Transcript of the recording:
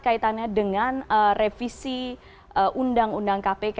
kaitannya dengan revisi undang undang kpk